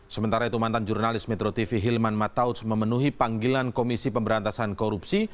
sementara itu mantan jurnalis metro tv hilman matautz memenuhi panggilan komisi pemberantasan korupsi